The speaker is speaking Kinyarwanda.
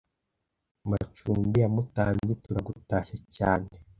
Macumbi ya Mutambyi Turagutashya cyane